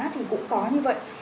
thì cũng có như vậy